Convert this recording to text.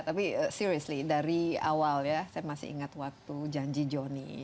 tapi seriesly dari awal ya saya masih ingat waktu janji joni